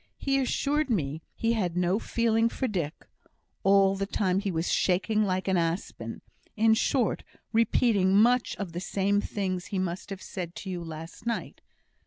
He assured me he had no feeling for Dick all the time he was shaking like an aspen; in short, repeated much the same things he must have said to you last night.